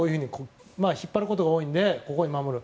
引っ張ることが多いのでここで守る。